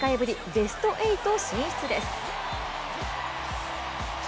ベスト８進出です。